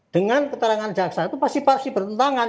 dengan keterangan jaksa itu pasti bertentangan